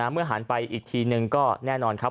เมื่อหันไปอีกทีนึงก็แน่นอนครับ